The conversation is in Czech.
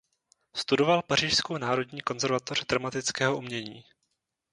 Studoval pařížskou Národní konzervatoř dramatického umění.